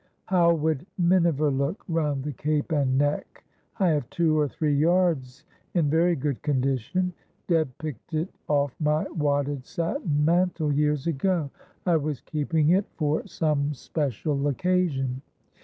"How would miniver look round the cape and neck? I have two or three yards in very good condition. Deb picked it off my wadded satin mantle years ago. I was keeping it for some special occasion.